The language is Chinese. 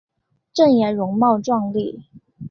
郑俨容貌壮丽。